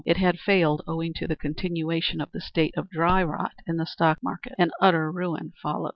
It had failed owing to the continuation of the state of dry rot in the stock market, and utter ruin followed.